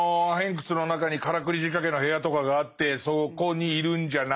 窟の中にからくり仕掛けの部屋とかがあってそこにいるんじゃないかとか。